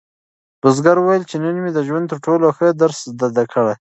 بزګر وویل چې نن مې د ژوند تر ټولو ښه درس زده کړ.